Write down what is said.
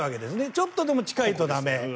ちょっとでも近いと駄目。